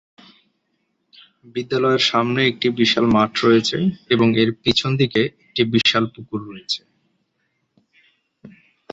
বিদ্যালয়ের সামনে একটি বিশাল মাঠ রয়েছে এবং এর পিছন দিকে একটি বিশাল পুকুর রয়েছে।